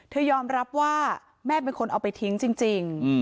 ยอมรับว่าแม่เป็นคนเอาไปทิ้งจริง